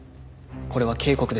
これは警告です。